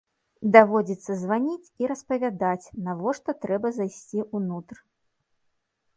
Даводзіцца званіць і распавядаць, навошта трэба зайсці ўнутр.